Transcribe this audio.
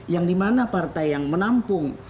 yang dimana partai yang menampung